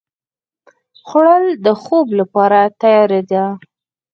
خوړل د خوب لپاره تیاري ده